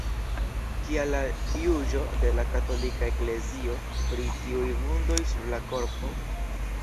Kia la juĝo de la Katolika Eklezio pri tiuj vundoj sur la korpo?